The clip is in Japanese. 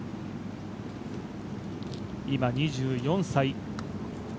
今２４歳。